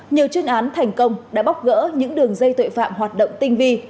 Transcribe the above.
nhiều chuyên án thành công đã bóc gỡ những đường dây tội phạm hoạt động tinh vi